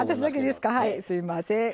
すいません。